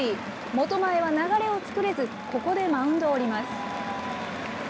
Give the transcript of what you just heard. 本前は流れを作れず、ここでマウンドを降ります。